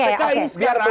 biar publik yang menilai